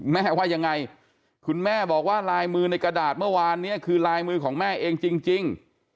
แม่ว่ายังไงคุณแม่บอกว่าลายมือในกระดาษเมื่อวานนี้คือลายมือของแม่เองจริง